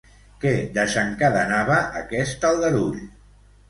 Què desencadenava aquest aldarull?